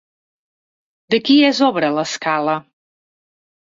De qui és obra l'escala?